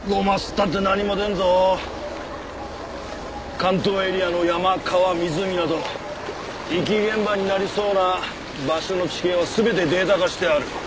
関東エリアの山川湖など遺棄現場になりそうな場所の地形は全てデータ化してある。